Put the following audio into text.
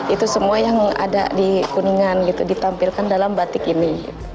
itu semua yang ada di kuningan gitu ditampilkan dalam batik ini